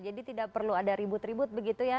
jadi tidak perlu ada ribut ribut begitu ya